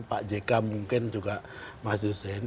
pak jk mungkin juga mas hussein